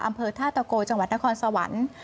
อำเภอท่าตะโกจังหวัดนครสวรรค์